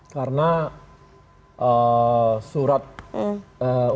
karena surat untuk drawing itu